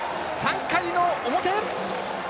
３回の表。